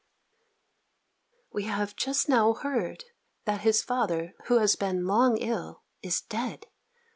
We have just now heard that his father, who has been long ill, is dead.